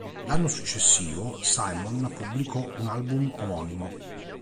L'anno successivo Simon pubblicò un album omonimo.